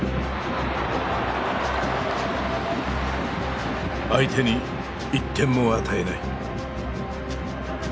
相手に１点も与えない。